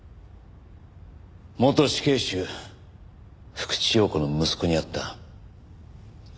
元死刑囚福地陽子の息子に会った。